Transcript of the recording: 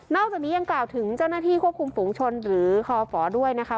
จากนี้ยังกล่าวถึงเจ้าหน้าที่ควบคุมฝูงชนหรือคอฝด้วยนะคะ